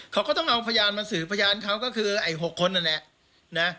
เขาก็ต้องเอาพยานมาสื่อพยานเขาก็คือไอ้๖คนนั่นแหละนะ